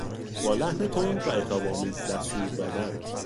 با لحن تند و عتابآمیز دستور دادن